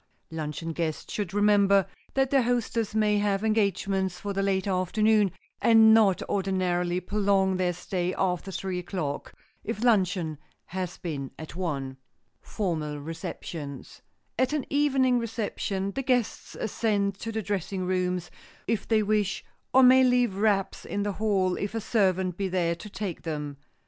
Luncheon guests should remember that their hostess may have engagements for the late afternoon, and not ordinarily prolong their stay after three o'clock—if luncheon has been at one. [Sidenote: FORMAL RECEPTIONS] At an evening reception, the guests ascend to the dressing rooms, if they wish, or may leave wraps in the hall, if a servant be there to take them.